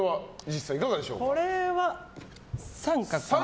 これは、△。